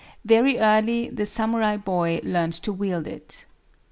Very early the samurai boy learned to wield it.